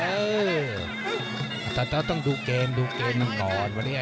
เออแต่ต้องดูเกมดูเกมก่อนว่าเนี่ย